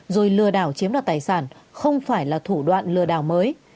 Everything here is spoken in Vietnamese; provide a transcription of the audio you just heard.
rồi lừa đảo chiếm đoạt tài sản không phải là thủ đoạn lừa đảo mới